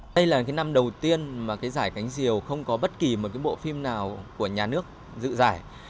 đây là năm đầu tiên mà giải cánh diều không có bất kỳ một bộ phim nào của nhà nước giữ giải